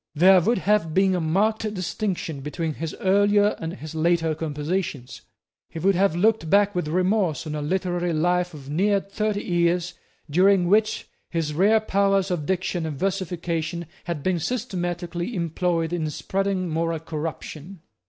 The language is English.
There would have been a marked distinction between his earlier and his later compositions. He would have looked back with remorse on a literary life of near thirty years, during which his rare powers of diction and versification had been systematically employed in spreading moral corruption.